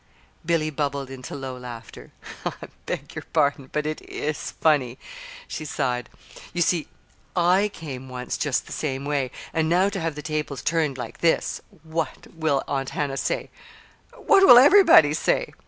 Billy bubbled into low laughter. "I beg your pardon, but it is funny," she sighed. "You see I came once just the same way, and now to have the tables turned like this! What will Aunt Hannah say what will everybody say?